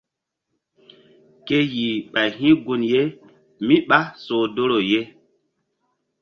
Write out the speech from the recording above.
Ke yih ɓay hi̧ gun ye mí ɓá soh doro ye.